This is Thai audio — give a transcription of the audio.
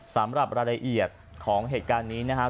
สำหรับรายละเอียดของเหตุการณ์นี้นะครับ